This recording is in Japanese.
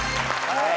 はい。